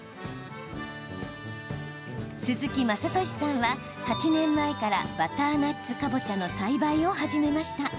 鈴木雅智さんは、８年前からバターナッツかぼちゃの栽培を始めました。